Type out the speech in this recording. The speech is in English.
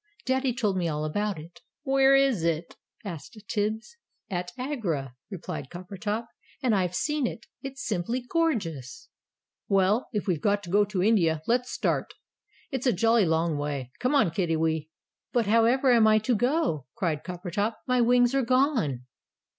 Daddy told me all about it." "Where is it?" asked Tibbs. "At Agra," replied Coppertop. "And I've seen it. It's simply gorgeous!" "Well, if we've to go to India, let's start. It's a jolly long way. Come on, Kiddiwee." "But however am I to go?" cried Coppertop. "My wings are gone!"